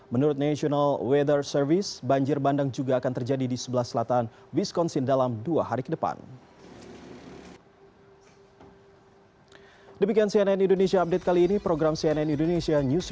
menurut national weather service banjir bandang juga akan terjadi di sebelah selatan biskonsin dalam dua hari ke depan